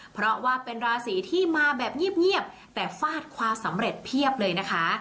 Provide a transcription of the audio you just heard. เพราะว่าเป็นราศีที่มาแบบเงียบแต่ฟาดความสำเร็จเพียบเลยนะคะ